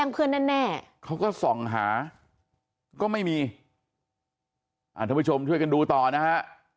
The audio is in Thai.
เพื่อนแน่เขาก็ส่องหาก็ไม่มีท่านผู้ชมช่วยกันดูต่อนะฮะ